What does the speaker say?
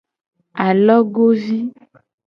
Alogovi.